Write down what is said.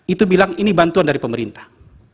itu bilang ini bantuan dari pemerintah